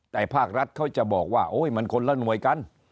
แต่ภาครัฐเขาจะบอกว่าโอ๊ยมันคนละหน่วยกัน